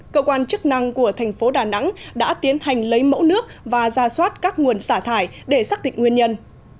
cơ quan chức năng của thành phố đà nẵng đã tiến hành lấy mẫu nước và ra soát các nguồn xả thải để xác định nguyên nhân